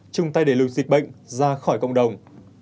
chung tay để lùi dịch bệnh ra khỏi cộng đồng